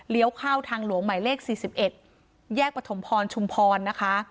เลี้ยวเข้าทางหลวงใหม่เลขสี่สิบเอ็ดแยกปฐมพรชุมพรนะคะ